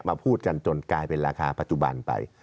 พูดกันจนกลายเป็นราคาปัจจุบันไป